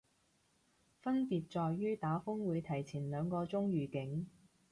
分別在於打風會提早兩個鐘預警